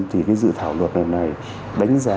thì cái dự thảo luật này này đánh giá